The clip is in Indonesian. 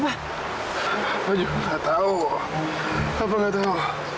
papa juga gak tau papa gak tau